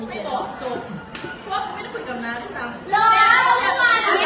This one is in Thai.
เมื่อไหว